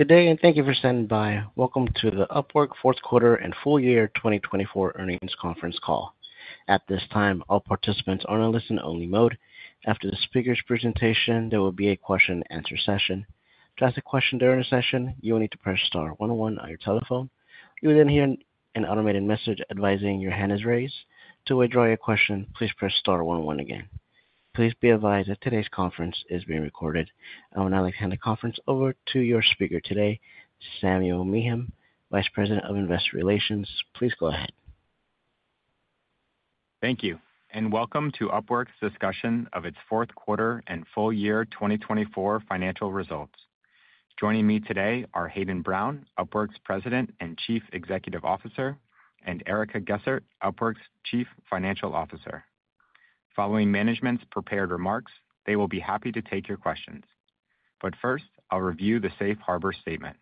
Good day, and thank you for standing by. Welcome to the Upwork Fourth Quarter and Full Year 2024 Earnings Conference Call. At this time, all participants are in a listen-only mode. After the speaker's presentation, there will be a question-and-answer session. To ask a question during the session, you will need to press star one one on your telephone. You will then hear an automated message advising your hand is raised. To withdraw your question, please press star one one again. Please be advised that today's conference is being recorded, and I would now like to hand the conference over to your speaker today, Samuel Meehan, Vice President of Investor Relations. Please go ahead. Thank you, and welcome to Upwork's discussion of its Fourth Quarter and Full Year 2024 financial results. Joining me today are Hayden Brown, Upwork's President and Chief Executive Officer, and Erica Gessert, Upwork's Chief Financial Officer. Following management's prepared remarks, they will be happy to take your questions. But first, I'll review the Safe Harbor Statement.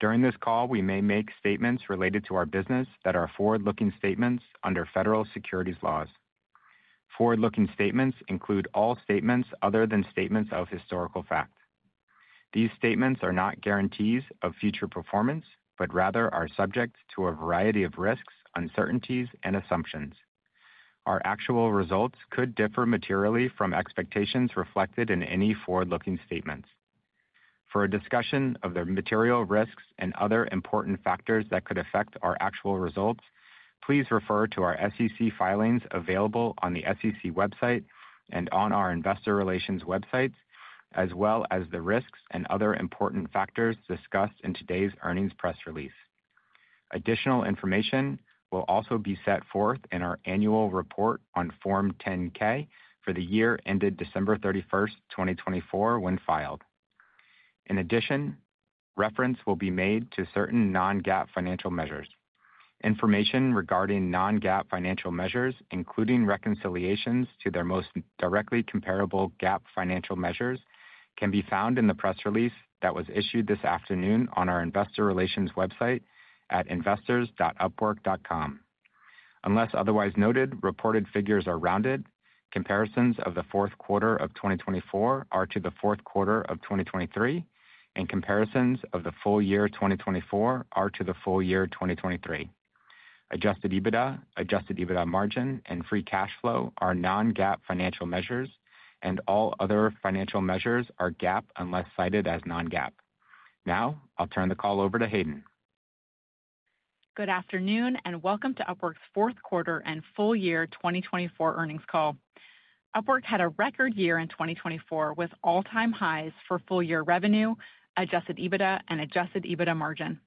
During this call, we may make statements related to our business that are forward-looking statements under federal securities laws. Forward-looking statements include all statements other than statements of historical fact. These statements are not guarantees of future performance, but rather are subject to a variety of risks, uncertainties, and assumptions. Our actual results could differ materially from expectations reflected in any forward-looking statements. For a discussion of the material risks and other important factors that could affect our actual results, please refer to our SEC filings available on the SEC website and on our investor relations websites, as well as the risks and other important factors discussed in today's earnings press release. Additional information will also be set forth in our annual report on Form 10-K for the year ended December 31st, 2024, when filed. In addition, reference will be made to certain non-GAAP financial measures. Information regarding non-GAAP financial measures, including reconciliations to their most directly comparable GAAP financial measures, can be found in the press release that was issued this afternoon on our Investor Relations website at investors.upwork.com. Unless otherwise noted, reported figures are rounded. Comparisons of the fourth quarter of 2024 are to the fourth quarter of 2023, and comparisons of the full year 2024 are to the full year 2023. Adjusted EBITDA, adjusted EBITDA margin, and free cash flow are non-GAAP financial measures, and all other financial measures are GAAP unless cited as non-GAAP. Now, I'll turn the call over to Hayden. Good afternoon, and welcome to Upwork's Fourth Quarter and Full Year 2024 earnings call. Upwork had a record year in 2024 with all-time highs for full-year revenue, adjusted EBITDA, and adjusted EBITDA margin.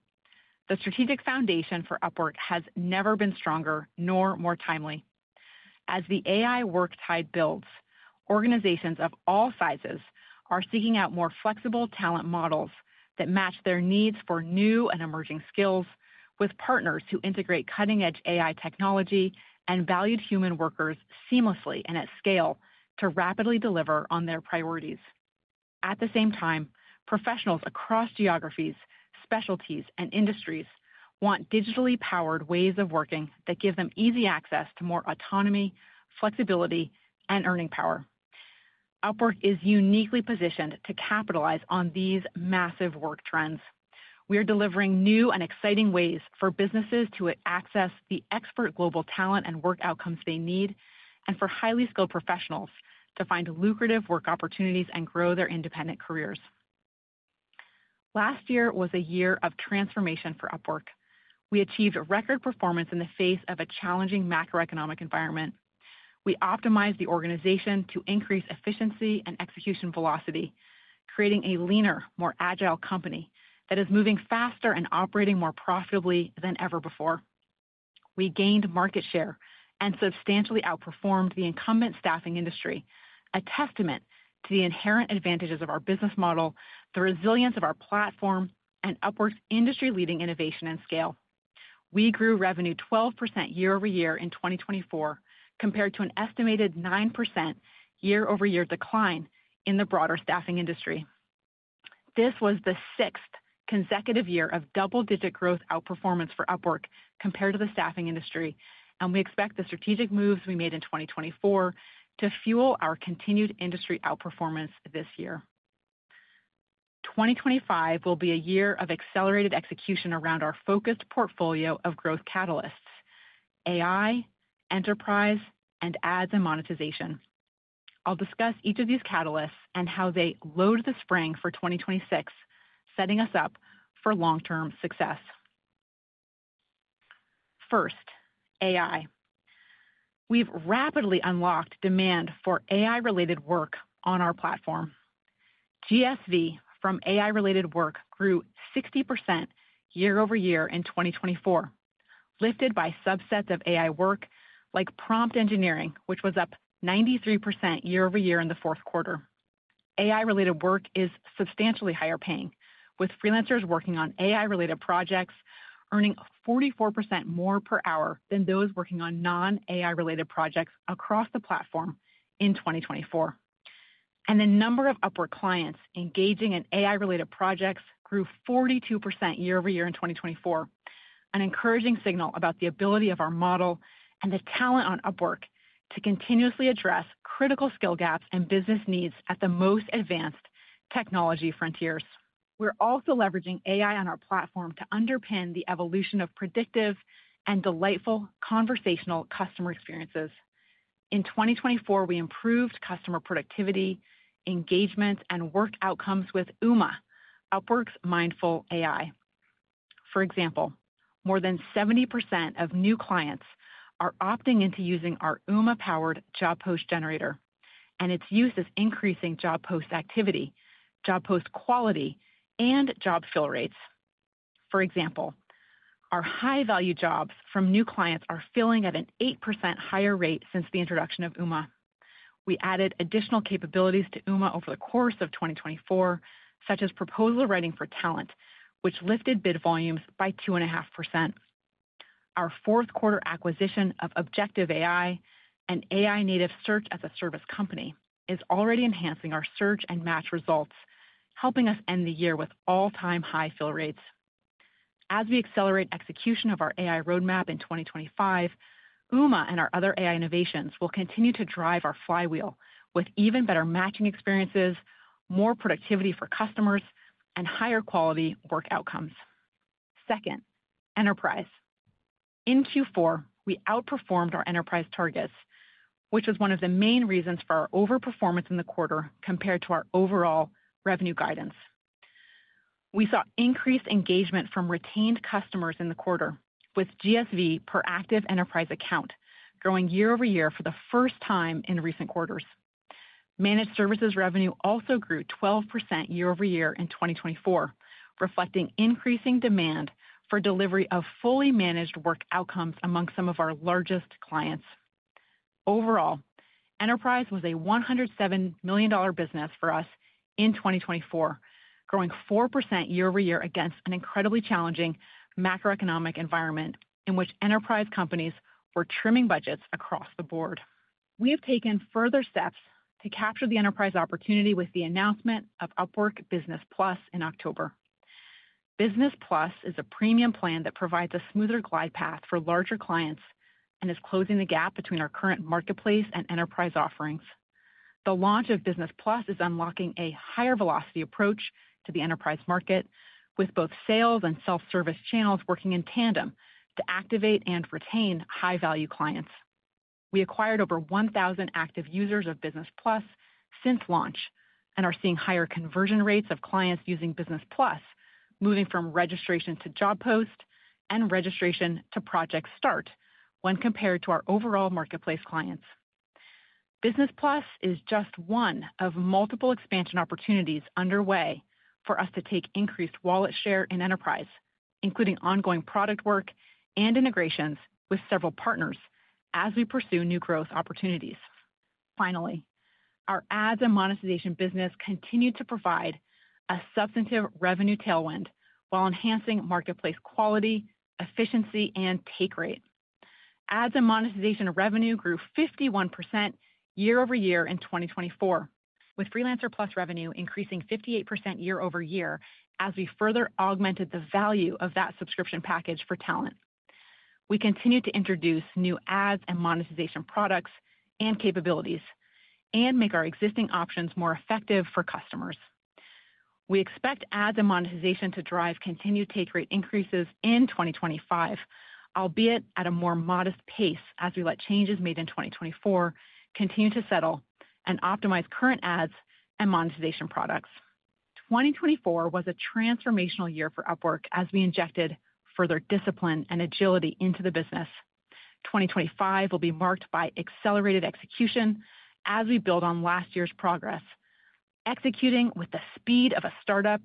The strategic foundation for Upwork has never been stronger nor more timely. As the AI work tide builds, organizations of all sizes are seeking out more flexible talent models that match their needs for new and emerging skills, with partners who integrate cutting-edge AI technology and valued human workers seamlessly and at scale to rapidly deliver on their priorities. At the same time, professionals across geographies, specialties, and industries want digitally powered ways of working that give them easy access to more autonomy, flexibility, and earning power. Upwork is uniquely positioned to capitalize on these massive work trends. We are delivering new and exciting ways for businesses to access the expert global talent and work outcomes they need, and for highly skilled professionals to find lucrative work opportunities and grow their independent careers. Last year was a year of transformation for Upwork. We achieved record performance in the face of a challenging macroeconomic environment. We optimized the organization to increase efficiency and execution velocity, creating a leaner, more agile company that is moving faster and operating more profitably than ever before. We gained market share and substantially outperformed the incumbent staffing industry, a testament to the inherent advantages of our business model, the resilience of our platform, and Upwork's industry-leading innovation and scale. We grew revenue 12% year-over-year in 2024, compared to an estimated 9% year-over-year decline in the broader staffing industry. This was the sixth consecutive year of double-digit growth outperformance for Upwork compared to the staffing industry, and we expect the strategic moves we made in 2024 to fuel our continued industry outperformance this year. 2025 will be a year of accelerated execution around our focused portfolio of growth catalysts: AI, Enterprise, and ads and monetization. I'll discuss each of these catalysts and how they load the spring for 2026, setting us up for long-term success. First, AI. We've rapidly unlocked demand for AI-related work on our platform. GSV from AI-related work grew 60% year-over-year in 2024, lifted by subsets of AI work like prompt engineering, which was up 93% year-over-year in the fourth quarter. AI-related work is substantially higher paying, with freelancers working on AI-related projects earning 44% more per hour than those working on non-AI-related projects across the platform in 2024. The number of Upwork clients engaging in AI-related projects grew 42% year-over-year in 2024, an encouraging signal about the ability of our model and the talent on Upwork to continuously address critical skill gaps and business needs at the most advanced technology frontiers. We're also leveraging AI on our platform to underpin the evolution of predictive and delightful conversational customer experiences. In 2024, we improved customer productivity, engagement, and work outcomes with Uma, Upwork's Mindful AI. For example, more than 70% of new clients are opting into using our Uma-powered Job Post Generator, and its use is increasing job post activity, job post quality, and job fill rates. For example, our high-value jobs from new clients are filling at an 8% higher rate since the introduction of Uma. We added additional capabilities to Uma over the course of 2024, such as proposal writing for talent, which lifted bid volumes by 2.5%. Our fourth quarter acquisition of Objective AI, an AI-native search-as-a-service company, is already enhancing our search and match results, helping us end the year with all-time high fill rates. As we accelerate execution of our AI roadmap in 2025, Uma and our other AI innovations will continue to drive our flywheel with even better matching experiences, more productivity for customers, and higher quality work outcomes. Second, Enterprise. In Q4, we outperformed our Enterprise targets, which was one of the main reasons for our overperformance in the quarter compared to our overall revenue guidance. We saw increased engagement from retained customers in the quarter, with GSV per active Enterprise account growing year-over-year for the first time in recent quarters. Managed services revenue also grew 12% year-over-year in 2024, reflecting increasing demand for delivery of fully managed work outcomes among some of our largest clients. Overall, Enterprise was a $107 million business for us in 2024, growing 4% year-over-year against an incredibly challenging macroeconomic environment in which Enterprise companies were trimming budgets across the board. We have taken further steps to capture the Enterprise opportunity with the announcement of Upwork Business Plus in October. Business Plus is a premium plan that provides a smoother glide path for larger clients and is closing the gap between our current Marketplace and Enterprise offerings. The launch of Business Plus is unlocking a higher velocity approach to the Enterprise market, with both sales and self-service channels working in tandem to activate and retain high-value clients. We acquired over 1,000 active users of Business Plus since launch and are seeing higher conversion rates of clients using Business Plus, moving from registration to job post and registration to project start when compared to our overall Marketplace clients. Business Plus is just one of multiple expansion opportunities underway for us to take increased wallet share in Enterprise, including ongoing product work and integrations with several partners as we pursue new growth opportunities. Finally, our ads and monetization business continued to provide a substantive revenue tailwind while enhancing Marketplace quality, efficiency, and take rate. Ads and monetization revenue grew 51% year-over-year in 2024, with Freelancer Plus revenue increasing 58% year-over-year as we further augmented the value of that subscription package for talent. We continue to introduce new ads and monetization products and capabilities and make our existing options more effective for customers. We expect ads and monetization to drive continued take rate increases in 2025, albeit at a more modest pace as we let changes made in 2024 continue to settle and optimize current ads and monetization products. 2024 was a transformational year for Upwork as we injected further discipline and agility into the business. 2025 will be marked by accelerated execution as we build on last year's progress, executing with the speed of a startup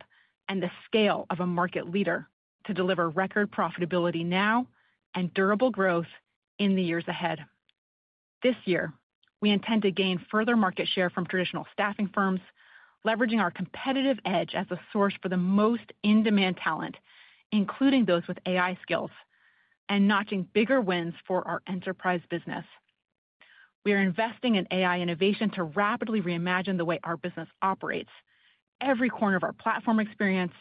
and the scale of a market leader to deliver record profitability now and durable growth in the years ahead. This year, we intend to gain further market share from traditional staffing firms, leveraging our competitive edge as a source for the most in-demand talent, including those with AI skills, and notching bigger wins for our Enterprise business. We are investing in AI innovation to rapidly reimagine the way our business operates, every corner of our platform experience,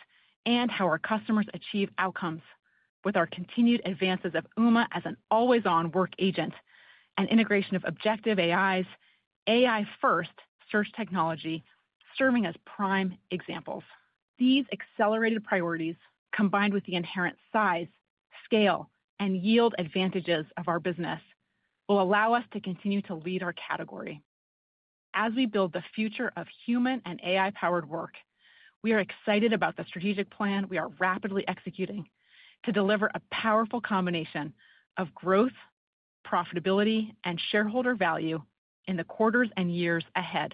and how our customers achieve outcomes with our continued advances of Uma as an always-on work agent and integration of Objective AI's AI-first search technology serving as prime examples. These accelerated priorities, combined with the inherent size, scale, and yield advantages of our business, will allow us to continue to lead our category. As we build the future of human and AI-powered work, we are excited about the strategic plan we are rapidly executing to deliver a powerful combination of growth, profitability, and shareholder value in the quarters and years ahead.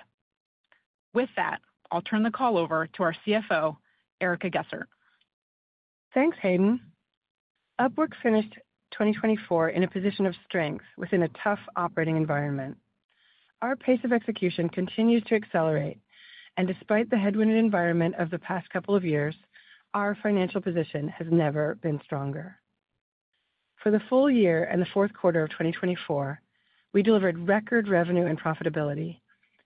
With that, I'll turn the call over to our CFO, Erica Gessert. Thanks, Hayden. Upwork finished 2024 in a position of strength within a tough operating environment. Our pace of execution continues to accelerate, and despite the headwind environment of the past couple of years, our financial position has never been stronger. For the full year and the fourth quarter of 2024, we delivered record revenue and profitability,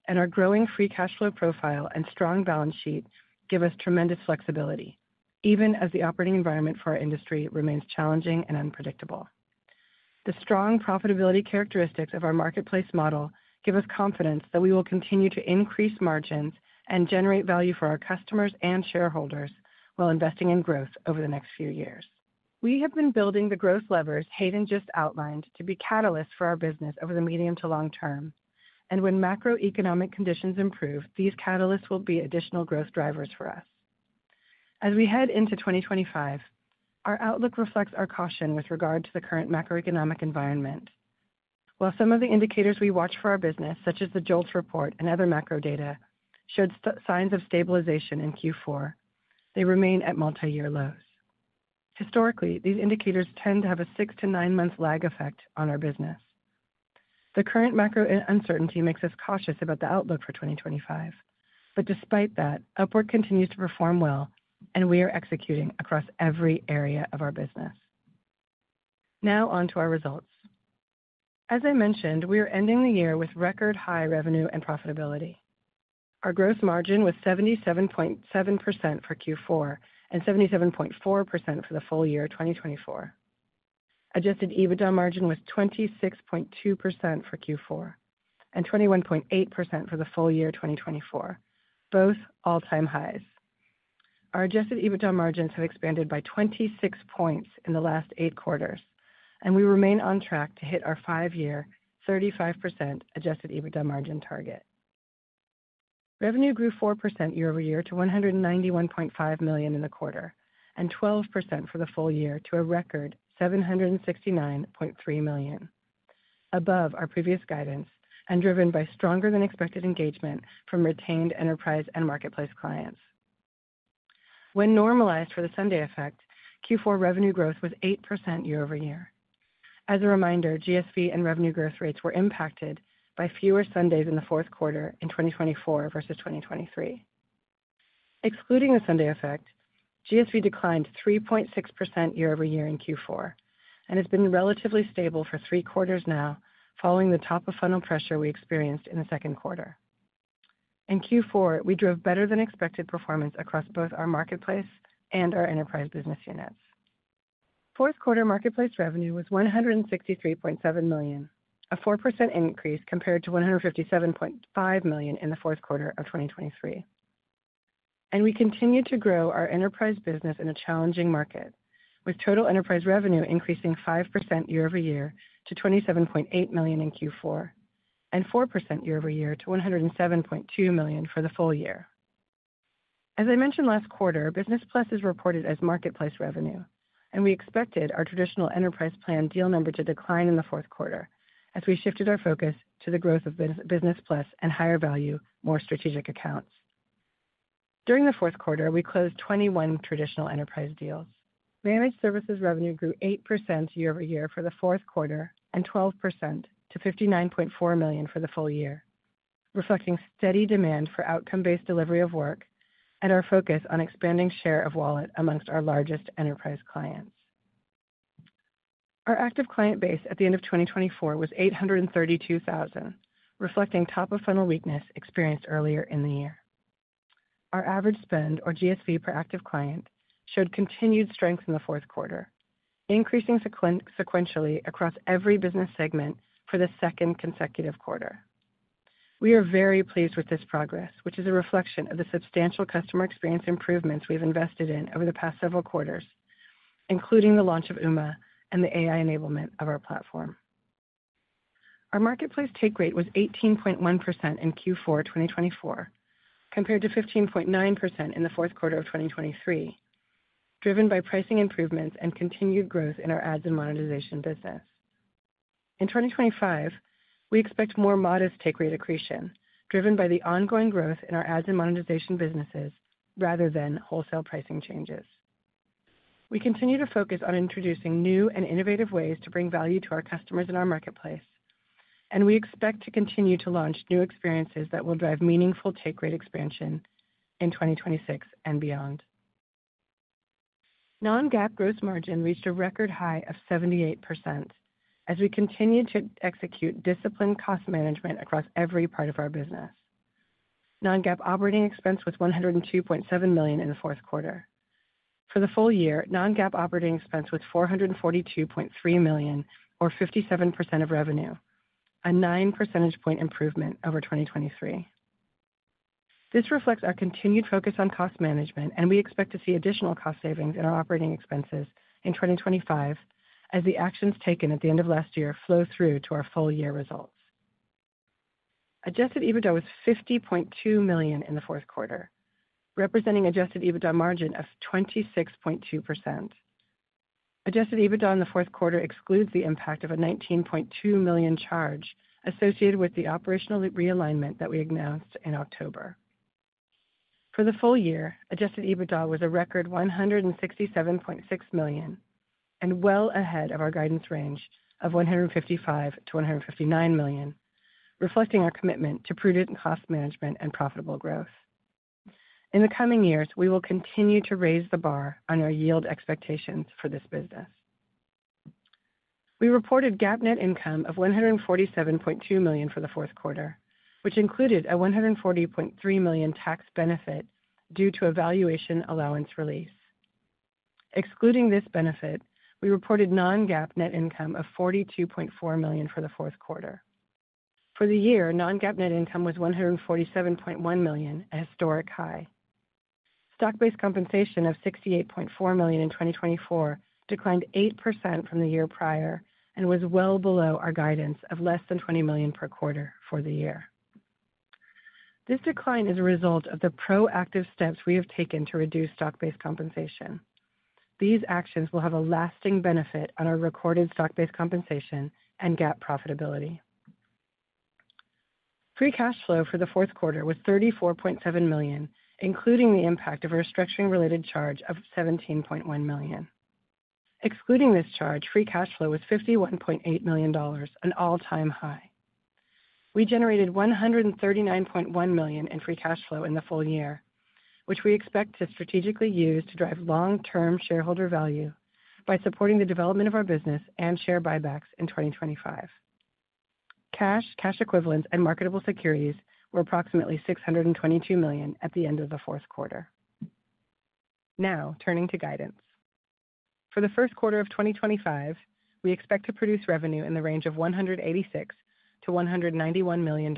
and our growing free cash flow profile and strong balance sheet give us tremendous flexibility, even as the operating environment for our industry remains challenging and unpredictable. The strong profitability characteristics of our Marketplace model give us confidence that we will continue to increase margins and generate value for our customers and shareholders while investing in growth over the next few years. We have been building the growth levers Hayden just outlined to be catalysts for our business over the medium to long term, and when macroeconomic conditions improve, these catalysts will be additional growth drivers for us. As we head into 2025, our outlook reflects our caution with regard to the current macroeconomic environment. While some of the indicators we watch for our business, such as the JOLTS report and other macro data, showed signs of stabilization in Q4, they remain at multi-year lows. Historically, these indicators tend to have a six to nine-month lag effect on our business. The current macro uncertainty makes us cautious about the outlook for 2025, but despite that, Upwork continues to perform well, and we are executing across every area of our business. Now on to our results. As I mentioned, we are ending the year with record high revenue and profitability. Our gross margin was 77.7% for Q4 and 77.4% for the full year 2024. Adjusted EBITDA margin was 26.2% for Q4 and 21.8% for the full year 2024, both all-time highs. Our adjusted EBITDA margins have expanded by 26 points in the last eight quarters, and we remain on track to hit our five-year 35% adjusted EBITDA margin target. Revenue grew 4% year-over-year to $191.5 million in the quarter and 12% for the full year to a record $769.3 million, above our previous guidance and driven by stronger-than-expected engagement from retained Enterprise and Marketplace clients. When normalized for the Sunday effect, Q4 revenue growth was 8% year-over-year. As a reminder, GSV and revenue growth rates were impacted by fewer Sundays in the fourth quarter in 2024 versus 2023. Excluding the Sunday effect, GSV declined 3.6% year-over-year in Q4 and has been relatively stable for three quarters now, following the top-of-funnel pressure we experienced in the second quarter. In Q4, we drove better-than-expected performance across both our Marketplace and our Enterprise business units. Fourth quarter Marketplace revenue was $163.7 million, a 4% increase compared to $157.5 million in the fourth quarter of 2023. We continue to grow our Enterprise business in a challenging market, with total Enterprise revenue increasing 5% year-over-year to $27.8 million in Q4 and 4% year-over-year to $107.2 million for the full year. As I mentioned last quarter, Business Plus is reported as Marketplace revenue, and we expected our traditional Enterprise plan deal number to decline in the fourth quarter as we shifted our focus to the growth of Business Plus and higher-value, more strategic accounts. During the fourth quarter, we closed 21 traditional Enterprise deals. Managed services revenue grew 8% year-over-year for the fourth quarter and 12% to $59.4 million for the full year, reflecting steady demand for outcome-based delivery of work and our focus on expanding share of wallet amongst our largest Enterprise clients. Our Active Client base at the end of 2024 was 832,000, reflecting top-of-funnel weakness experienced earlier in the year. Our average spend, or GSV, per Active Client showed continued strength in the fourth quarter, increasing sequentially across every business segment for the second consecutive quarter. We are very pleased with this progress, which is a reflection of the substantial customer experience improvements we've invested in over the past several quarters, including the launch of Uma and the AI enablement of our platform. Our Marketplace take rate was 18.1% in Q4 2024, compared to 15.9% in the fourth quarter of 2023, driven by pricing improvements and continued growth in our ads and monetization business. In 2025, we expect more modest take rate accretion driven by the ongoing growth in our ads and monetization businesses rather than wholesale pricing changes. We continue to focus on introducing new and innovative ways to bring value to our customers in our Marketplace, and we expect to continue to launch new experiences that will drive meaningful take rate expansion in 2026 and beyond. Non-GAAP gross margin reached a record high of 78% as we continue to execute disciplined cost management across every part of our business. Non-GAAP operating expense was $102.7 million in the fourth quarter. For the full year, non-GAAP operating expense was $442.3 million, or 57% of revenue, a 9 percentage point improvement over 2023. This reflects our continued focus on cost management, and we expect to see additional cost savings in our operating expenses in 2025 as the actions taken at the end of last year flow through to our full year results. Adjusted EBITDA was $50.2 million in the fourth quarter, representing adjusted EBITDA margin of 26.2%. Adjusted EBITDA in the fourth quarter excludes the impact of a $19.2 million charge associated with the operational realignment that we announced in October. For the full year, adjusted EBITDA was a record $167.6 million and well ahead of our guidance range of $155 million-$159 million, reflecting our commitment to prudent cost management and profitable growth. In the coming years, we will continue to raise the bar on our yield expectations for this business. We reported GAAP net income of $147.2 million for the fourth quarter, which included a $140.3 million tax benefit due to a valuation allowance release. Excluding this benefit, we reported non-GAAP net income of $42.4 million for the fourth quarter. For the year, non-GAAP net income was $147.1 million, a historic high. Stock-based compensation of $68.4 million in 2024 declined 8% from the year prior and was well below our guidance of less than $20 million per quarter for the year. This decline is a result of the proactive steps we have taken to reduce stock-based compensation. These actions will have a lasting benefit on our recorded stock-based compensation and GAAP profitability. Free cash flow for the fourth quarter was $34.7 million, including the impact of a restructuring-related charge of $17.1 million. Excluding this charge, free cash flow was $51.8 million, an all-time high. We generated $139.1 million in free cash flow in the full year, which we expect to strategically use to drive long-term shareholder value by supporting the development of our business and share buybacks in 2025. Cash, cash equivalents, and marketable securities were approximately $622 million at the end of the fourth quarter. Now, turning to guidance. For the first quarter of 2025, we expect to produce revenue in the range of $186 million-$191 million.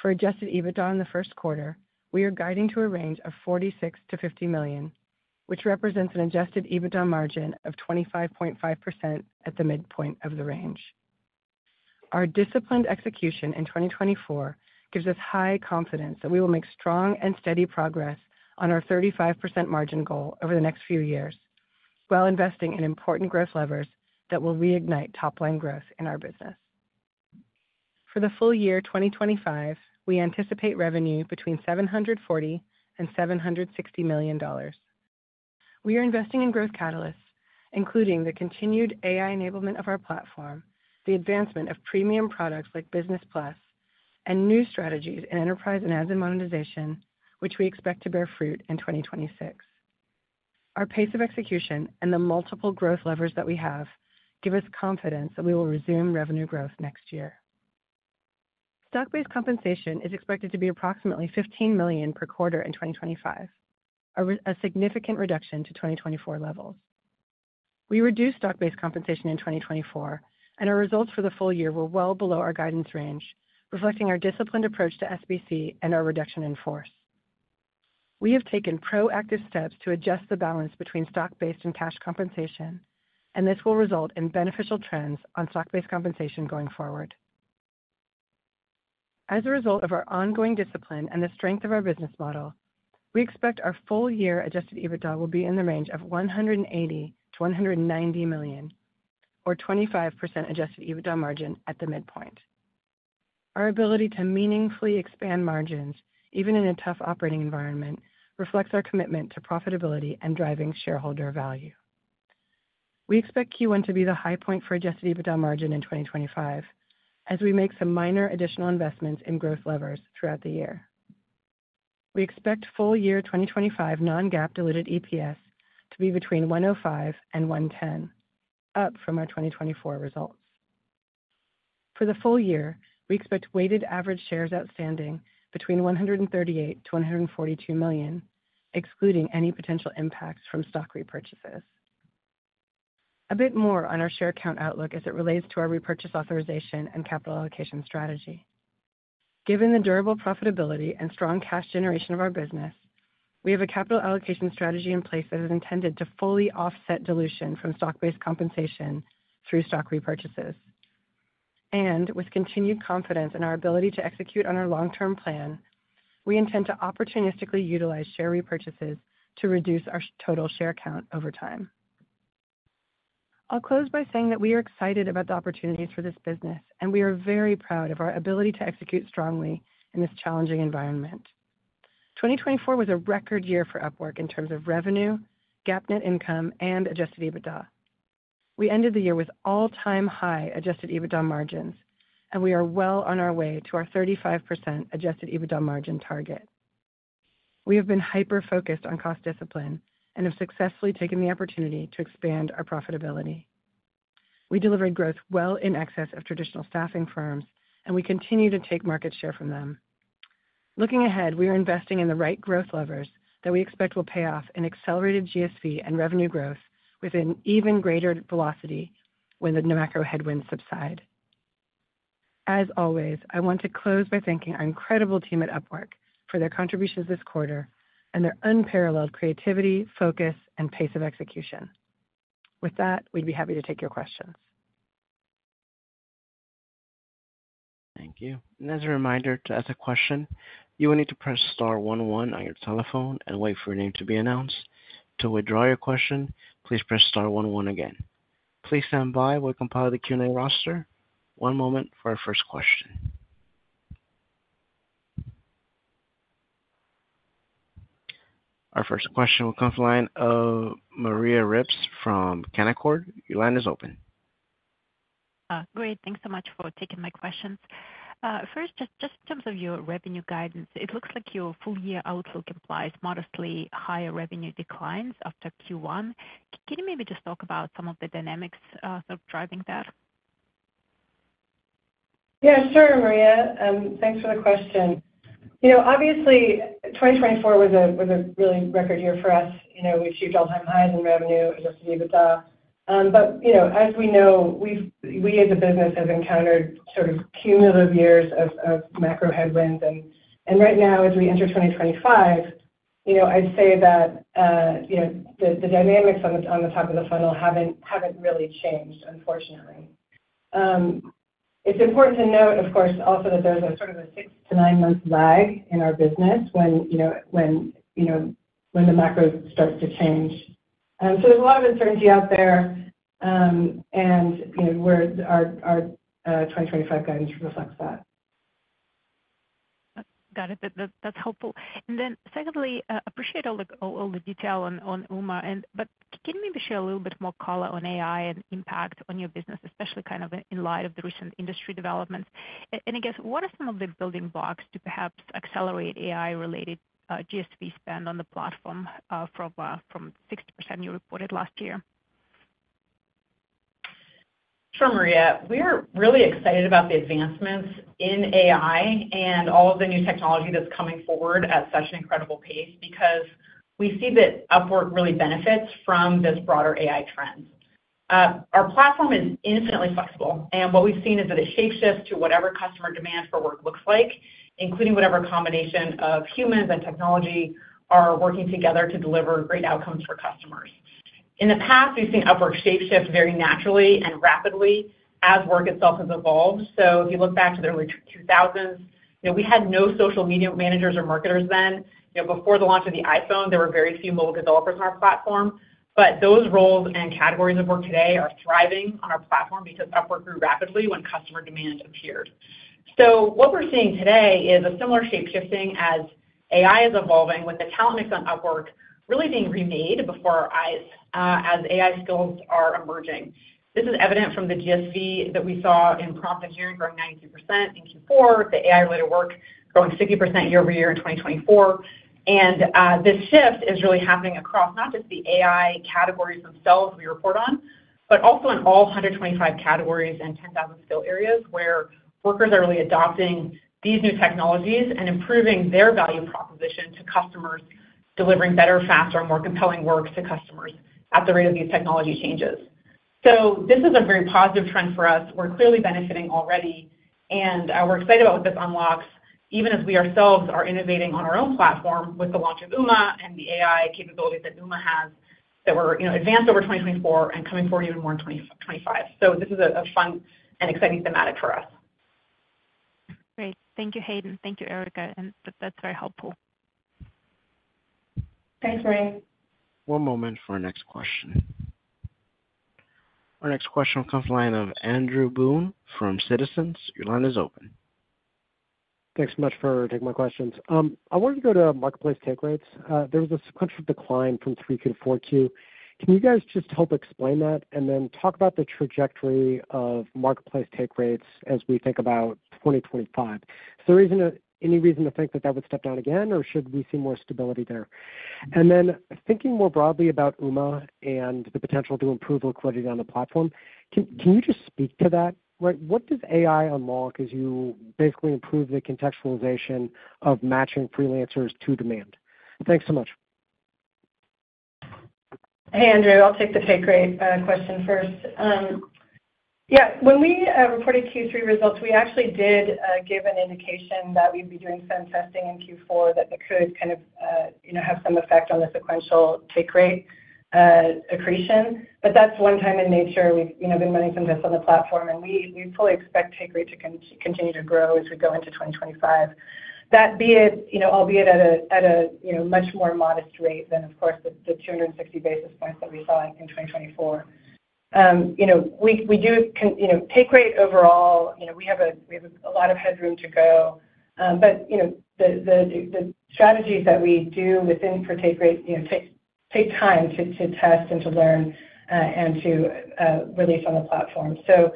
For adjusted EBITDA in the first quarter, we are guiding to a range of $46 million-$50 million, which represents an adjusted EBITDA margin of 25.5% at the midpoint of the range. Our disciplined execution in 2024 gives us high confidence that we will make strong and steady progress on our 35% margin goal over the next few years while investing in important growth levers that will reignite top-line growth in our business. For the full year 2025, we anticipate revenue between $740 million and $760 million. We are investing in growth catalysts, including the continued AI enablement of our platform, the advancement of premium products like Business Plus, and new strategies in Enterprise and ads and monetization, which we expect to bear fruit in 2026. Our pace of execution and the multiple growth levers that we have give us confidence that we will resume revenue growth next year. Stock-based compensation is expected to be approximately 15 million per quarter in 2025, a significant reduction to 2024 levels. We reduced stock-based compensation in 2024, and our results for the full year were well below our guidance range, reflecting our disciplined approach to SBC and our reduction in force. We have taken proactive steps to adjust the balance between stock-based and cash compensation, and this will result in beneficial trends on stock-based compensation going forward. As a result of our ongoing discipline and the strength of our business model, we expect our full-year adjusted EBITDA will be in the range of $180 million-$190 million, or 25% adjusted EBITDA margin at the midpoint. Our ability to meaningfully expand margins, even in a tough operating environment, reflects our commitment to profitability and driving shareholder value. We expect Q1 to be the high point for adjusted EBITDA margin in 2025, as we make some minor additional investments in growth levers throughout the year. We expect full-year 2025 non-GAAP diluted EPS to be between 105 and 110, up from our 2024 results. For the full year, we expect weighted average shares outstanding between 138 million-142 million, excluding any potential impacts from stock repurchases. A bit more on our share count outlook as it relates to our repurchase authorization and capital allocation strategy. Given the durable profitability and strong cash generation of our business, we have a capital allocation strategy in place that is intended to fully offset dilution from stock-based compensation through stock repurchases, and with continued confidence in our ability to execute on our long-term plan, we intend to opportunistically utilize share repurchases to reduce our total share count over time. I'll close by saying that we are excited about the opportunities for this business, and we are very proud of our ability to execute strongly in this challenging environment. 2024 was a record year for Upwork in terms of revenue, GAAP net income, and adjusted EBITDA. We ended the year with all-time high adjusted EBITDA margins, and we are well on our way to our 35% adjusted EBITDA margin target. We have been hyper-focused on cost discipline and have successfully taken the opportunity to expand our profitability. We delivered growth well in excess of traditional staffing firms, and we continue to take market share from them. Looking ahead, we are investing in the right growth levers that we expect will pay off in accelerated GSV and revenue growth with an even greater velocity when the macro headwinds subside. As always, I want to close by thanking our incredible team at Upwork for their contributions this quarter and their unparalleled creativity, focus, and pace of execution. With that, we'd be happy to take your questions. Thank you. And as a reminder to ask a question, you will need to press star one one on your telephone and wait for your name to be announced. To withdraw your question, please press star one one again. Please stand by while we compile the Q&A roster. One moment for our first question. Our first question will come from the line of Maria Ripps from Canaccord. Your line is open. Great. Thanks so much for taking my questions. First, just in terms of your revenue guidance, it looks like your full-year outlook implies modestly higher revenue declines after Q1. Can you maybe just talk about some of the dynamics driving that? Yeah, sure, Maria. Thanks for the question. Obviously, 2024 was a really record year for us. We achieved all-time highs in revenue, adjusted EBITDA. But as we know, we as a business have encountered sort of cumulative years of macro headwinds. And right now, as we enter 2025, I'd say that the dynamics on the top of the funnel haven't really changed, unfortunately. It's important to note, of course, also that there's a sort of a six- to nine-month lag in our business when the macro starts to change. So there's a lot of uncertainty out there, and our 2025 guidance reflects that. Got it. That's helpful. And then secondly, I appreciate all the detail on Uma, but can you maybe share a little bit more color on AI and impact on your business, especially kind of in light of the recent industry developments? And I guess, what are some of the building blocks to perhaps accelerate AI-related GSV spend on the platform from 60% you reported last year? Sure, Maria. We're really excited about the advancements in AI and all of the new technology that's coming forward at such an incredible pace because we see that Upwork really benefits from this broader AI trend. Our platform is infinitely flexible, and what we've seen is that it shapeshifts to whatever customer demand for work looks like, including whatever combination of humans and technology are working together to deliver great outcomes for customers. In the past, we've seen Upwork shapeshift very naturally and rapidly as work itself has evolved. So if you look back to the early 2000s, we had no social media managers or marketers then. Before the launch of the iPhone, there were very few mobile developers on our platform. But those roles and categories of work today are thriving on our platform because Upwork grew rapidly when customer demand appeared. So what we're seeing today is a similar shapeshifting as AI is evolving, with the talent mix on Upwork really being remade before our eyes as AI skills are emerging. This is evident from the GSV that we saw in prompt engineering growing 92% in Q4, the AI-related work growing 50% year-over-year in 2024, and this shift is really happening across not just the AI categories themselves we report on, but also in all 125 categories and 10,000 skill areas where workers are really adopting these new technologies and improving their value proposition to customers, delivering better, faster, more compelling work to customers at the rate of these technology changes, so this is a very positive trend for us. We're clearly benefiting already, and we're excited about what this unlocks, even as we ourselves are innovating on our own platform with the launch of Uma and the AI capabilities that Uma has that were advanced over 2024 and coming forward even more in 2025, so this is a fun and exciting thematic for us. Great. Thank you, Hayden. Thank you, Erica, and that's very helpful. Thanks, Maria. One moment for our next question. Our next question will come from the line of Andrew Boone from Citizens. Your line is open. Thanks so much for taking my questions. I wanted to go to Marketplace take rates. There was a substantial decline from 3Q to 4Q. Can you guys just help explain that and then talk about the trajectory of Marketplace take rates as we think about 2025? Is there any reason to think that that would step down again, or should we see more stability there? And then thinking more broadly about Uma and the potential to improve liquidity on the platform, can you just speak to that? What does AI unlock as you basically improve the contextualization of matching freelancers to demand? Thanks so much. Hey, Andrew. I'll take the take rate question first. Yeah. When we reported Q3 results, we actually did give an indication that we'd be doing some testing in Q4 that could kind of have some effect on the sequential take rate accretion. But that's one time in nature. We've been running some tests on the platform, and we fully expect take rate to continue to grow as we go into 2025, albeit at a much more modest rate than, of course, the 260 basis points that we saw in 2024. We do take rate overall. We have a lot of headroom to go, but the strategies that we do within for take rate take time to test and to learn and to release on the platform. So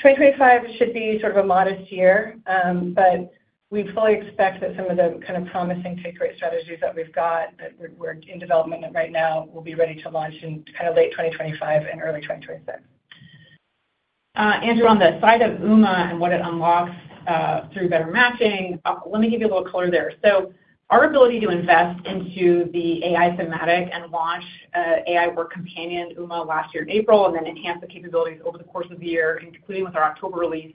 2025 should be sort of a modest year, but we fully expect that some of the kind of promising take rate strategies that we've got that we're in development right now will be ready to launch in kind of late 2025 and early 2026. Andrew, on the side of Uma and what it unlocks through better matching, let me give you a little color there. So our ability to invest into the AI thematic and launch AI work companion Uma last year in April and then enhance the capabilities over the course of the year, including with our October release,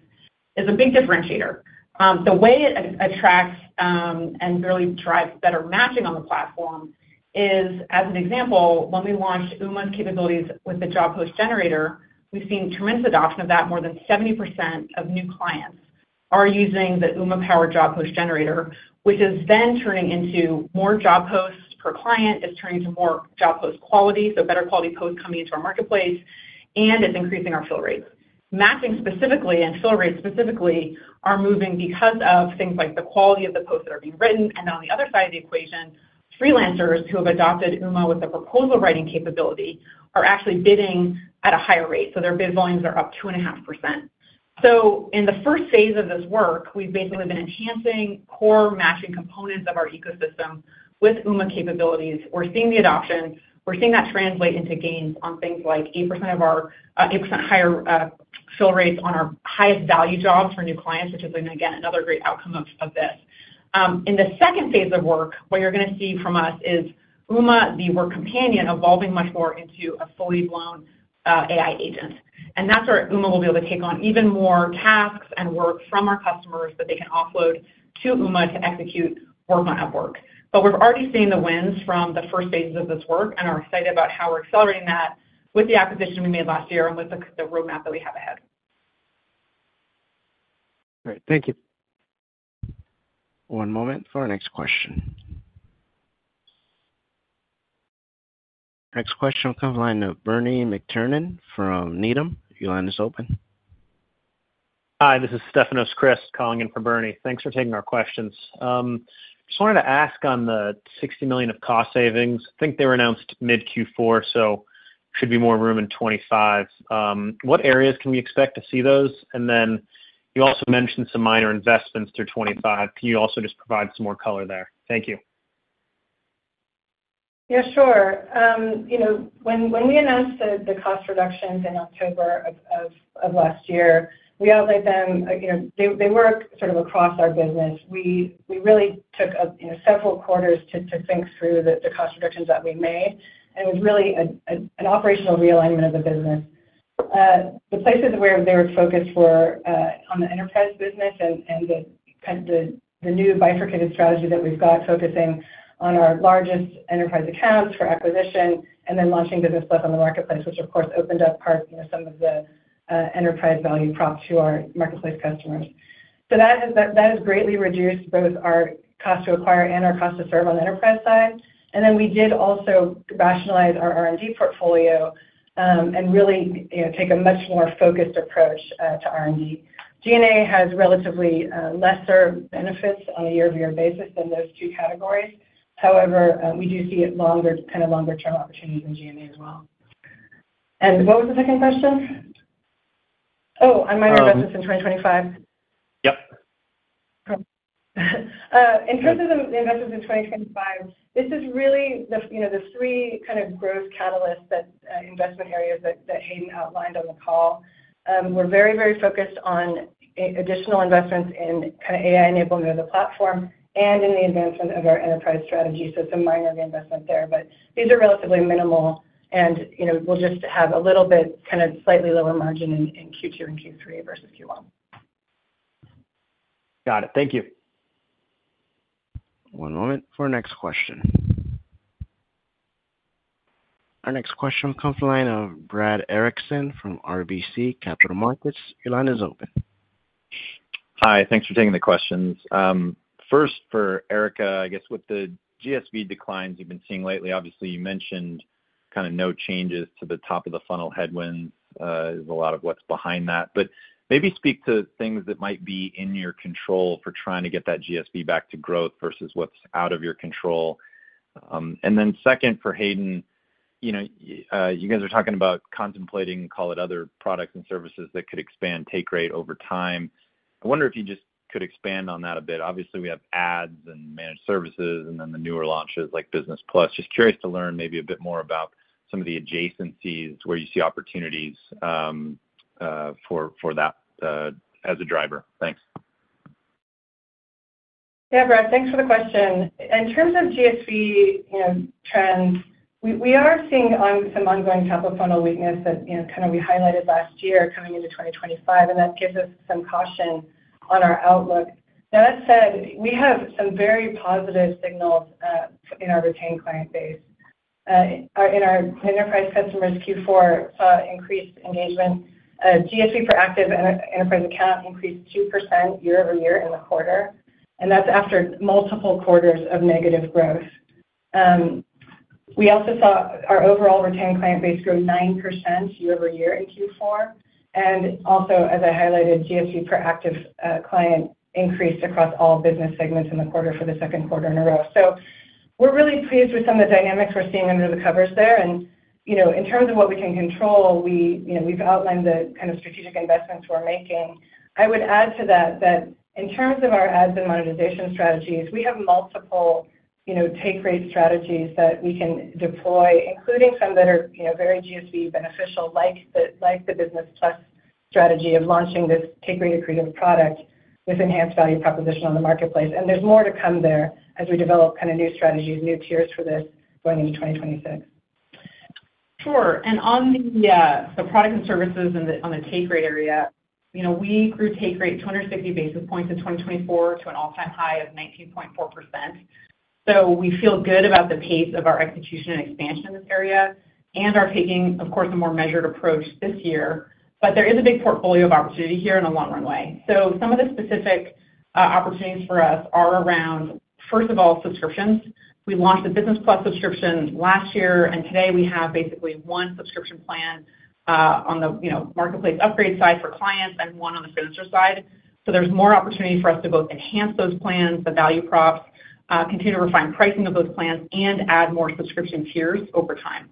is a big differentiator. The way it attracts and really drives better matching on the platform is, as an example, when we launched Uma's capabilities with the job post generator, we've seen tremendous adoption of that. More than 70% of new clients are using the Uma-powered job post generator, which is then turning into more job posts per client, is turning to more job post quality, so better quality posts coming into our Marketplace, and it's increasing our fill rates. Matching specifically and fill rates specifically are moving because of things like the quality of the posts that are being written. And on the other side of the equation, freelancers who have adopted Uma with the proposal writing capability are actually bidding at a higher rate. So their bid volumes are up 2.5%. So in the first phase of this work, we've basically been enhancing core matching components of our ecosystem with Uma capabilities. We're seeing the adoption. We're seeing that translate into gains on things like 8% higher fill rates on our highest value jobs for new clients, which is, again, another great outcome of this. In the second phase of work, what you're going to see from us is Uma, the work companion, evolving much more into a full-blown AI agent, and that's where Uma will be able to take on even more tasks and work from our customers that they can offload to Uma to execute work on Upwork, but we've already seen the wins from the first phases of this work and are excited about how we're accelerating that with the acquisition we made last year and with the roadmap that we have ahead. Great. Thank you. One moment for our next question. Next question will come from the line of Bernie McTernan from Needham. Your line is open. Hi, this is Stefanos Crist calling in from Bernie. Thanks for taking our questions. Just wanted to ask on the $60 million of cost savings. I think they were announced mid-Q4, so should be more room in 2025. What areas can we expect to see those? And then you also mentioned some minor investments through 2025. Can you also just provide some more color there? Thank you. Yeah, sure. When we announced the cost reductions in October of last year, we outlined them. They were sort of across our business. We really took several quarters to think through the cost reductions that we made. And it was really an operational realignment of the business. The places where they were focused were on the Enterprise business and the new bifurcated strategy that we've got focusing on our largest Enterprise accounts for acquisition and then launching Business Plus on the Marketplace, which, of course, opened up part of some of the Enterprise value prop to our Marketplace customers, so that has greatly reduced both our cost to acquire and our cost to serve on the Enterprise side, and then we did also rationalize our R&D portfolio and really take a much more focused approach to R&D. G&A has relatively lesser benefits on a year-over-year basis than those two categories. However, we do see kind of longer-term opportunities in G&A as well, and what was the second question? Oh, on minor investments in 2025? Yep. In terms of the investments in 2025, this is really the three kind of growth catalysts that investment areas that Hayden outlined on the call. We're very, very focused on additional investments in kind of AI enabling of the platform and in the advancement of our Enterprise strategy, so some minor reinvestment there, but these are relatively minimal, and we'll just have a little bit kind of slightly lower margin in Q2 and Q3 versus Q1. Got it. Thank you. One moment for our next question. Our next question will come from the line of Brad Erickson from RBC Capital Markets. Your line is open. Hi. Thanks for taking the questions. First, for Erica, I guess with the GSV declines you've been seeing lately, obviously, you mentioned kind of no changes to the top of the funnel headwinds. There's a lot of what's behind that. But maybe speak to things that might be in your control for trying to get that GSV back to growth versus what's out of your control. And then second, for Hayden, you guys are talking about contemplating, call it, other products and services that could expand take rate over time. I wonder if you just could expand on that a bit. Obviously, we have ads and Managed Services, and then the newer launches like Business Plus. Just curious to learn maybe a bit more about some of the adjacencies where you see opportunities for that as a driver. Thanks. Yeah, Brad, thanks for the question. In terms of GSV trends, we are seeing some ongoing top of funnel weakness that kind of we highlighted last year coming into 2025, and that gives us some caution on our outlook. Now, that said, we have some very positive signals in our retained client base. In our Enterprise customers, Q4 saw increased engagement. GSV for active Enterprise account increased 2% year-over-year in the quarter, and that's after multiple quarters of negative growth. We also saw our overall retained client base grow 9% year-over-year in Q4. And also, as I highlighted, GSV per Active Client increased across all business segments in the quarter for the second quarter in a row. So we're really pleased with some of the dynamics we're seeing under the covers there. And in terms of what we can control, we've outlined the kind of strategic investments we're making. I would add to that that in terms of our ads and monetization strategies, we have multiple take rate strategies that we can deploy, including some that are very GSV beneficial, like the Business Plus strategy of launching this take rate accretive product with enhanced value proposition on the Marketplace, and there's more to come there as we develop kind of new strategies, new tiers for this going into 2026. Sure, and on the product and services and the take rate area, we grew take rate 260 basis points in 2024 to an all-time high of 19.4%. So we feel good about the pace of our execution and expansion in this area and are taking, of course, a more measured approach this year, but there is a big portfolio of opportunity here in a long, long way. Some of the specific opportunities for us are around, first of all, subscriptions. We launched the Business Plus subscription last year, and today we have basically one subscription plan on the Marketplace upgrade side for clients and one on the freelancer side. There's more opportunity for us to both enhance those plans, the value props, continue to refine pricing of those plans, and add more subscription tiers over time.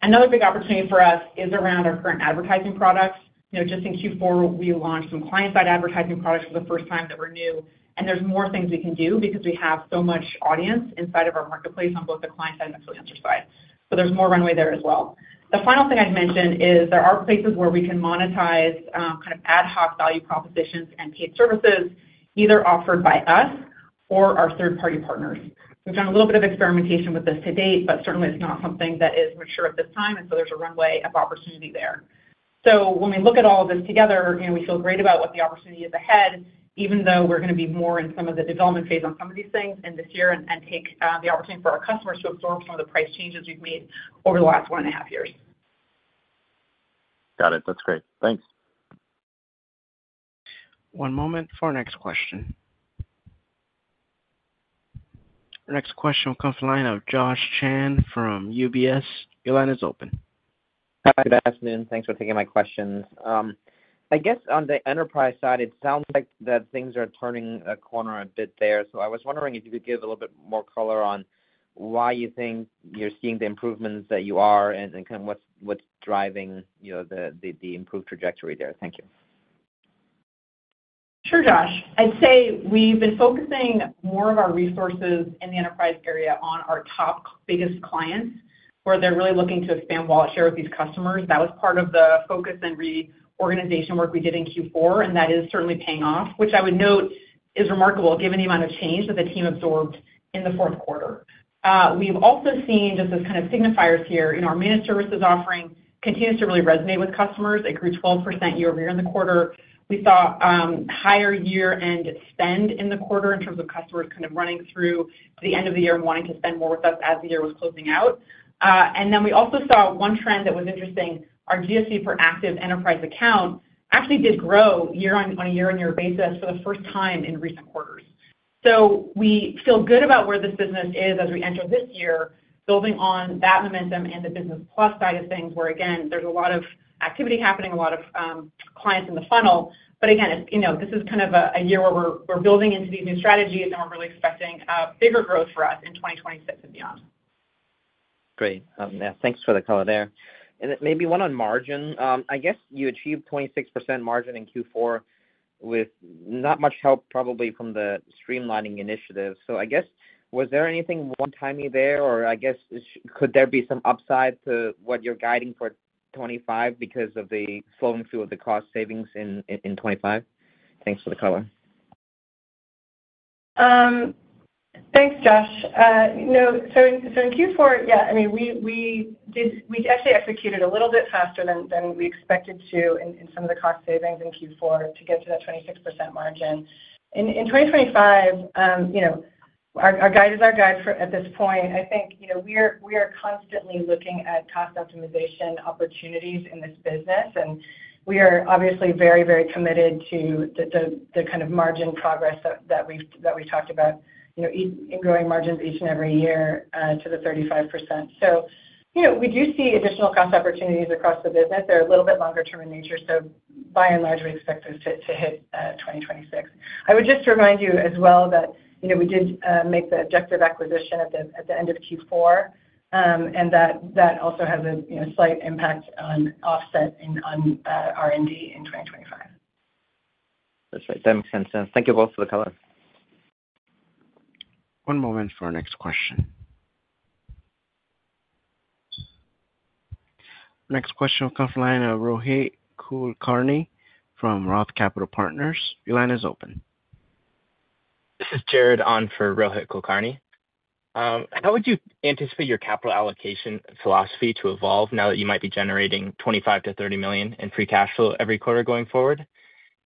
Another big opportunity for us is around our current advertising products. Just in Q4, we launched some client-side advertising products for the first time that were new. There's more things we can do because we have so much audience inside of our Marketplace on both the client-side and the freelancer side. There's more runway there as well. The final thing I'd mention is there are places where we can monetize kind of ad hoc value propositions and paid services, either offered by us or our third-party partners. We've done a little bit of experimentation with this to date, but certainly, it's not something that is mature at this time, and so there's a runway of opportunity there. So when we look at all of this together, we feel great about what the opportunity is ahead, even though we're going to be more in some of the development phase on some of these things in this year and take the opportunity for our customers to absorb some of the price changes we've made over the last one and a half years. Got it. That's great. Thanks. One moment for our next question. Our next question will come from the line of Josh Chan from UBS. Your line is open. Hi, good afternoon. Thanks for taking my questions. I guess on the Enterprise side, it sounds like that things are turning a corner a bit there. So I was wondering if you could give a little bit more color on why you think you're seeing the improvements that you are and kind of what's driving the improved trajectory there. Thank you. Sure, Josh. I'd say we've been focusing more of our resources in the Enterprise area on our top biggest clients where they're really looking to expand wallet share with these customers. That was part of the focus and reorganization work we did in Q4, and that is certainly paying off, which I would note is remarkable given the amount of change that the team absorbed in the fourth quarter. We've also seen just as kind of signifiers here. Our Managed Services offering continues to really resonate with customers. It grew 12% year-over-year in the quarter. We saw higher year-end spend in the quarter in terms of customers kind of running through to the end of the year and wanting to spend more with us as the year was closing out, and then we also saw one trend that was interesting. Our GSV per active Enterprise account actually did grow on a year-on-year basis for the first time in recent quarters, so we feel good about where this business is as we enter this year, building on that momentum and the Business Plus side of things where, again, there's a lot of activity happening, a lot of clients in the funnel. But again, this is kind of a year where we're building into these new strategies, and we're really expecting bigger growth for us in 2026 and beyond. Great. Yeah, thanks for the color there. And maybe one on margin. I guess you achieved 26% margin in Q4 with not much help probably from the streamlining initiative. So I guess, was there anything one-timey there, or I guess, could there be some upside to what you're guiding for 2025 because of the flow-through of the cost savings in 2025? Thanks for the color. Thanks, Josh. So in Q4, yeah, I mean, we actually executed a little bit faster than we expected to in some of the cost savings in Q4 to get to that 26% margin. In 2025, our guide is our guide at this point. I think we are constantly looking at cost optimization opportunities in this business, and we are obviously very, very committed to the kind of margin progress that we've talked about, in growing margins each and every year to the 35%. So we do see additional cost opportunities across the business. They're a little bit longer-term in nature. So by and large, we expect this to hit 2026. I would just remind you as well that we did make the Objective acquisition at the end of Q4, and that also has a slight impact on OpEx and on R&D in 2025. That's right. That makes sense. Thank you both for the color. One moment for our next question. Next question will come from the line of Rohit Kulkarni from ROTH Capital Partners. Your line is open. This is Jared on for Rohit Kulkarni. How would you anticipate your capital allocation philosophy to evolve now that you might be generating $25 million-$30 million in free cash flow every quarter going forward?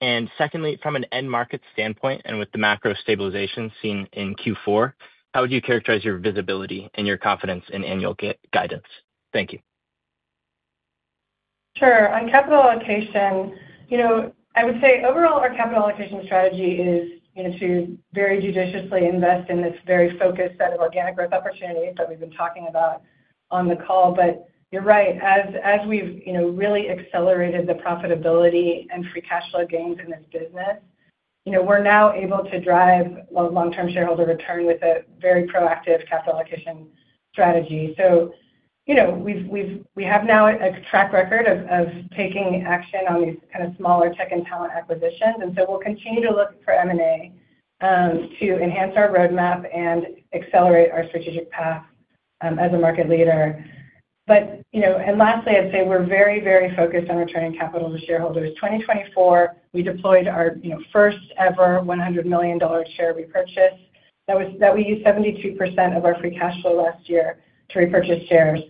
And secondly, from an end market standpoint and with the macro stabilization seen in Q4, how would you characterize your visibility and your confidence in annual guidance? Thank you. Sure. On capital allocation, I would say overall, our capital allocation strategy is to very judiciously invest in this very focused set of organic growth opportunities that we've been talking about on the call. But you're right. As we've really accelerated the profitability and free cash flow gains in this business, we're now able to drive a long-term shareholder return with a very proactive capital allocation strategy. So we have now a track record of taking action on these kind of smaller tech and talent acquisitions. We'll continue to look for M&A to enhance our roadmap and accelerate our strategic path as a market leader. Lastly, I'd say we're very, very focused on returning capital to shareholders. 2024, we deployed our first-ever $100 million share repurchase. That we used 72% of our free cash flow last year to repurchase shares.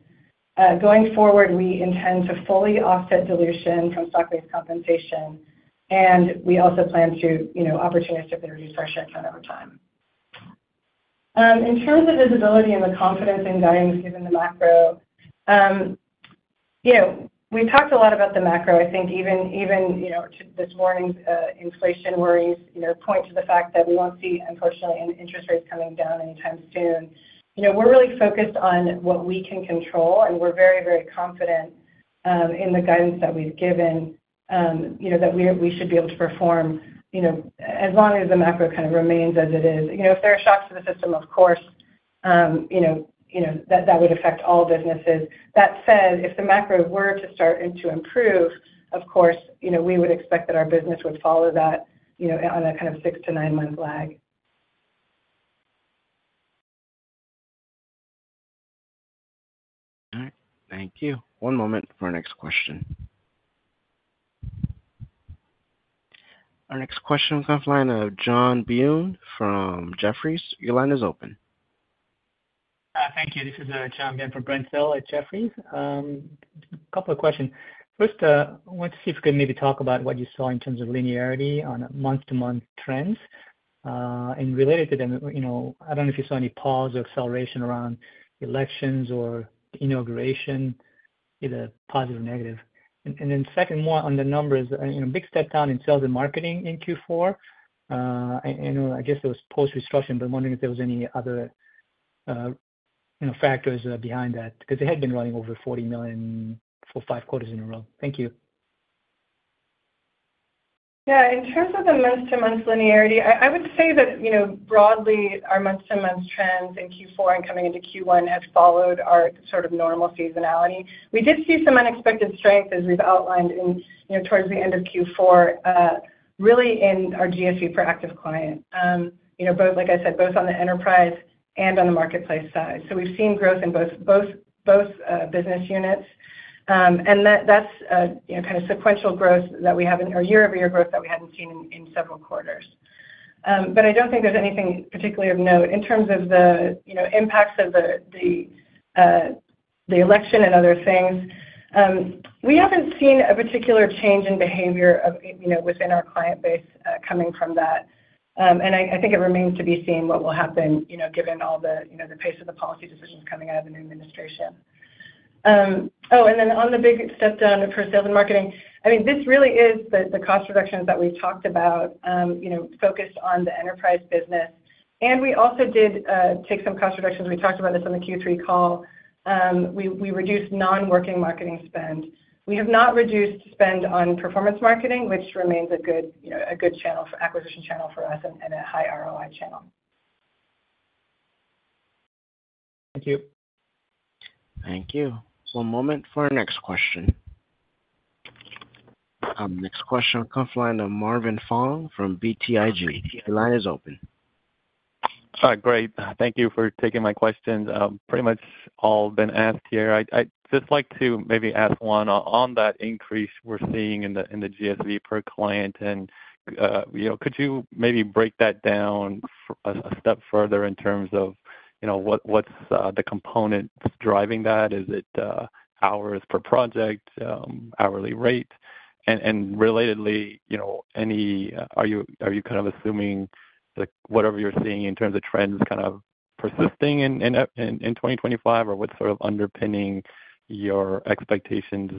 Going forward, we intend to fully offset dilution from stock-based compensation, and we also plan to opportunistically reduce our share count over time. In terms of visibility and the confidence in guidance given the macro, we talked a lot about the macro. I think even this morning, inflation worries point to the fact that we won't see, unfortunately, interest rates coming down anytime soon. We're really focused on what we can control, and we're very, very confident in the guidance that we've given that we should be able to perform as long as the macro kind of remains as it is. If there are shocks to the system, of course, that would affect all businesses. That said, if the macro were to start to improve, of course, we would expect that our business would follow that on a kind of six- to nine-month lag. All right. Thank you. One moment for our next question. Our next question will come from the line of John Byun from Jefferies. Your line is open. Thank you. This is John Byun for Brent Thill at Jefferies. A couple of questions. First, I want to see if you could maybe talk about what you saw in terms of linearity on month-to-month trends. Related to them, I don't know if you saw any pause or acceleration around elections or inauguration, either positive or negative. Second, more on the numbers, big step down in Sales and Marketing in Q4. I guess it was post-restructuring, but I'm wondering if there were any other factors behind that because it had been running over $40 million for five quarters in a row. Thank you. Yeah. In terms of the month-to-month linearity, I would say that broadly, our month-to-month trends in Q4 and coming into Q1 have followed our sort of normal seasonality. We did see some unexpected strength, as we've outlined, towards the end of Q4, really in our GSV per Active Client, like I said, both on the Enterprise and on the Marketplace side. We've seen growth in both business units. That's kind of sequential growth that we haven't or year-over-year growth that we hadn't seen in several quarters. I don't think there's anything particularly of note. In terms of the impacts of the election and other things, we haven't seen a particular change in behavior within our client base coming from that. I think it remains to be seen what will happen given all the pace of the policy decisions coming out of the new administration. Oh, then on the big step down for Sales and Marketing, I mean, this really is the cost reductions that we've talked about, focused on the Enterprise business. We also did take some cost reductions. We talked about this on the Q3 call. We reduced non-working marketing spend. We have not reduced spend on performance marketing, which remains a good channel for acquisition for us and a high ROI channel. Thank you. Thank you. One moment for our next question. Next question will come from the line of Marvin Fong from BTIG. Your line is open. Great. Thank you for taking my questions. Pretty much all been asked here. I'd just like to maybe ask one on that increase we're seeing in the GSV per client. And could you maybe break that down a step further in terms of what's the component driving that? Is it hours per project, hourly rate? And relatedly, are you kind of assuming whatever you're seeing in terms of trends kind of persisting in 2025, or what's sort of underpinning your expectations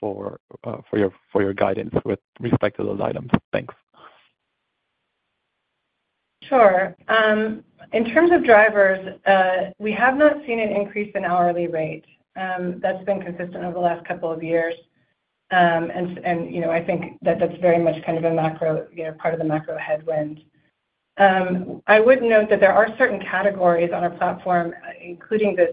for your guidance with respect to those items? Thanks. Sure. In terms of drivers, we have not seen an increase in hourly rate. That's been consistent over the last couple of years, and I think that that's very much kind of a macro part of the macro headwind. I would note that there are certain categories on our platform, including the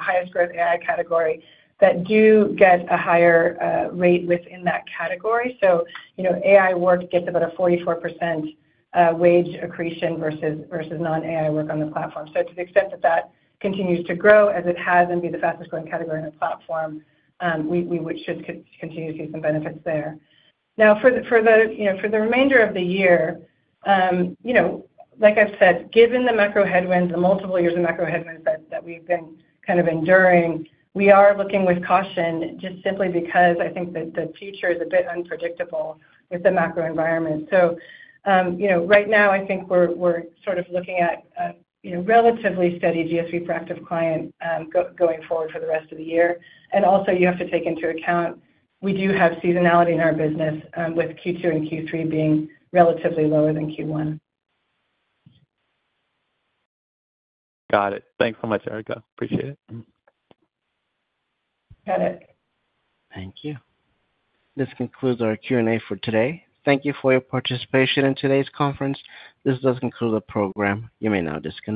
highest growth AI category, that do get a higher rate within that category, so AI work gets about a 44% wage accretion versus non-AI work on the platform, so to the extent that that continues to grow, as it has and be the fastest-growing category on the platform, we should continue to see some benefits there. Now, for the remainder of the year, like I've said, given the macro headwinds, the multiple years of macro headwinds that we've been kind of enduring, we are looking with caution just simply because I think that the future is a bit unpredictable with the macro environment. So right now, I think we're sort of looking at relatively steady GSV per Active Client going forward for the rest of the year. And also, you have to take into account we do have seasonality in our business with Q2 and Q3 being relatively lower than Q1. Got it. Thanks so much, Erica. Appreciate it. Got it. Thank you. This concludes our Q&A for today. Thank you for your participation in today's conference. This does conclude the program. You may now disconnect.